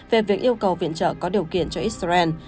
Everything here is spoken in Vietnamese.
về việc yêu cầu viện trợ có điều kiện cho israel